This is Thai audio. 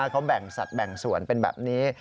เขาแบ่งสัตว์แบ่งส่วนเป็นแบบนี้